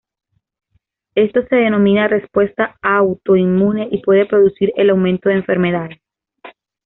Esto se denomina respuesta autoinmune y puede producir el aumento de enfermedades.